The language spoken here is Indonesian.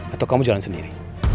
atau kamu jalan sendiri